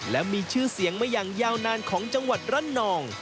และมีชื่อเสียงมาอย่างยาวนานของจังหวัดรันนอง